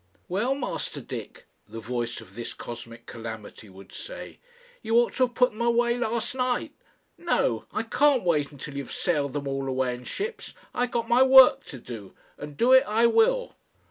"Well, Master Dick," the voice of this cosmic calamity would say, "you ought to have put them away last night. No! I can't wait until you've sailed them all away in ships. I got my work to do, and do it I will."